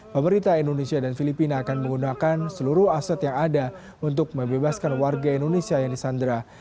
pemerintah indonesia dan filipina akan menggunakan seluruh aset yang ada untuk membebaskan warga indonesia yang disandra